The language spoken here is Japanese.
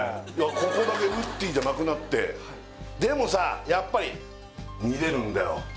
ここだけウッディじゃなくなってでもさやっぱり見れるんだよ